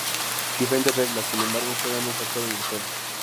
Diferentes reglas, sin embargo, juegan un factor en el juego.